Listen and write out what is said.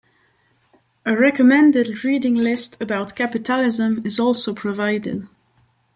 A recommended reading list about capitalism is also provided.